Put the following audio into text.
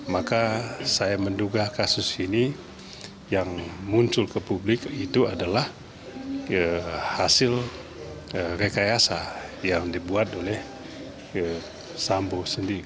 maka saya menduga kasus ini yang muncul ke publik itu adalah hasil rekayasa yang dibuat oleh sambo sendiri